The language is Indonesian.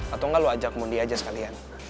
atau enggak lo ajak mundi aja sekalian